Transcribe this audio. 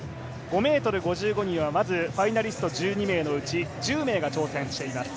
５ｍ５５にはまずファイナリスト１２名のうち１０名が挑戦しています。